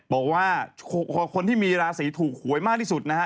บอกว่าคนที่มีราศีถูกหวยมากที่สุดนะฮะ